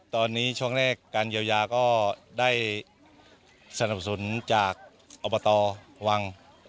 ตอนนี้ช่วงแรกการเยียวยาก็ได้สนับสนุนจากอบตวัง